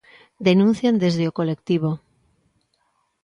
Denuncian desde o colectivo.